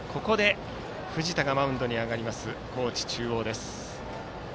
藤田がマウンドに上がります高知中央。